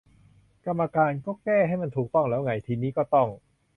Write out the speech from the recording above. กรรมการ : ก็แก้ให้มันถูกต้องแล้วไง ทีนี้ก็ต้อง